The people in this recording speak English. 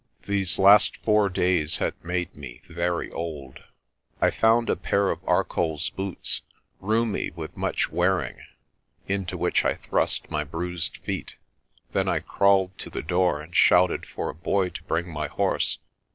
These last four days had made me very old. ARCOLL'S SHEPHERDING 231 I found a pair of ArcolPs boots, roomy with much wear ing, into which I thrust my bruised feet. Then I crawled to the door, and shouted for a boy to bring my horse.